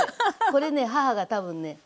これね母が多分ね５０代。